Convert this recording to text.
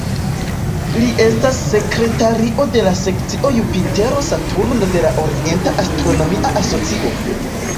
Li estas sekretario de la Sekcio Jupitero-Saturno de la Orienta Astronomia Asocio.